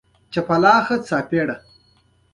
ته څو کلن یې؟